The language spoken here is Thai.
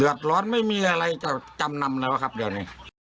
เดือดร้อนไม่มีอะไรจะจำนำเลยป่ะครับเดี๋ยวนี้